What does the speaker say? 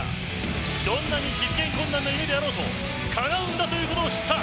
どんなに実現困難なことでもかなうんだということを知った。